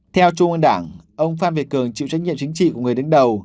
theo trung ương đảng ông phan việt cường chịu trách nhiệm chính trị của người đứng đầu